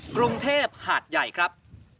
กรุงเทพหาดใหญ่ครับ